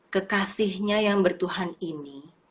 kekasihnya yang bertuhan ini